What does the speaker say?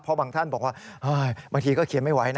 เพราะบางท่านบอกว่าบางทีก็เขียนไม่ไหวนะ